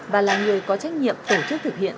và là người có trách nhiệm tổ chức thực hiện